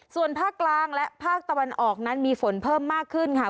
ส่วนภาคกลางและภาคตะวันออกนั้นมีฝนเพิ่มมากขึ้นค่ะ